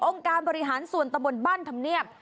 การบริหารส่วนตะบนบ้านธรรมเนียบ